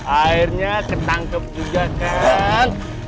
akhirnya ketangkep juga kan